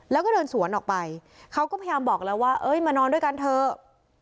แล้วก็เดินสวนออกไปเขาก็พยายามบอกแล้วว่าเอ้ยมานอนด้วยกันเถอะ